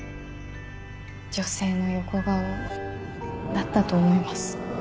女性の横顔だったと思います。